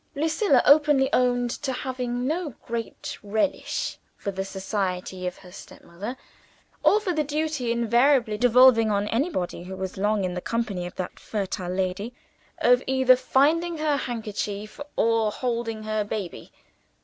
Lucilla openly owned to having no great relish for the society of her step mother, or for the duty invariably devolving on anybody who was long in the company of that fertile lady, of either finding her handkerchief or holding her baby.